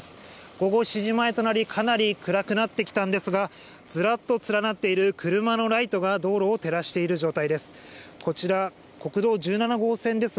午後７時前となり、かなり暗くなってきたんですが、ずらっと連なっている車のライトが道路を照らしている状態です。